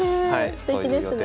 すてきですね。